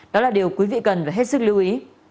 đó là điều quý vị cần phải hết sức lưu ý